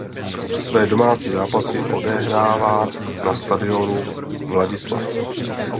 Své domácí zápasy odehrává na stadionu Vladislav.